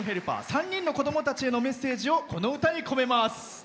３人の子どもたちへのメッセージを、この歌に込めます。